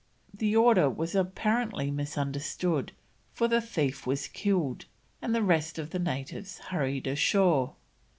The order was apparently misunderstood, for the thief was killed, and the rest of the natives hurried ashore.